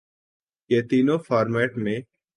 کہ تینوں فارمیٹ میں